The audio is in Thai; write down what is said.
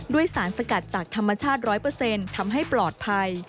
สารสกัดจากธรรมชาติ๑๐๐ทำให้ปลอดภัย